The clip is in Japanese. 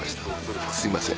すいません。